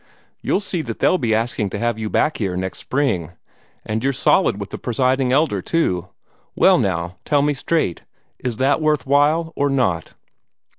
You'll see that they'll be asking to have you back here, next spring. And you're solid with your Presiding Elder, too. Well, now, tell me straight is that worth while, or not?"